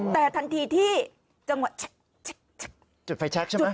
แต่ทันทีที่จังหวะจุดไฟแชคใช่ไหม